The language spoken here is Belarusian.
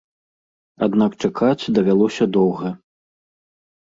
Аднак чакаць давялося доўга.